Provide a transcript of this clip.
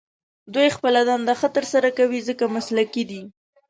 دوی خپله دنده ښه تر سره کوي، ځکه مسلکي دي.